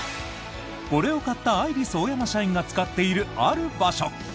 これを買ったアイリスオーヤマ社員が使っている、ある場所。